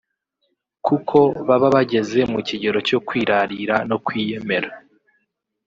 kuko baba bageze mu kigero cyo kwirarira no kwiyemera